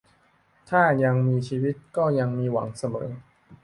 ถ้ายังมีชีวิตก็ยังมีหวังเสมอ